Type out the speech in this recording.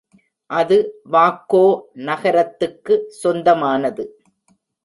அது வாக்கோ நகரத்துக்கு சொந்தமானது.